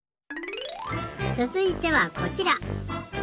つづいてはこちら。